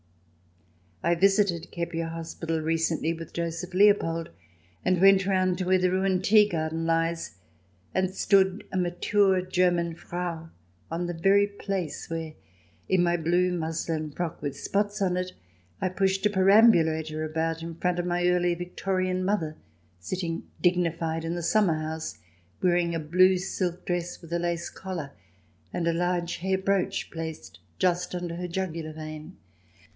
I visited Kepier Hospital recently with Joseph Leopold and went round to where the ruined tea garden lies, and stood, a mature German Frau, on the very place where, in my blue muslin frock with spots on it, I pushed a perambulator about in front of my Early Victorian mother, sitting dignified in the summer house, wearing a blue silk dress with a lace collar and a large hair brooch placed just under her jugular vein.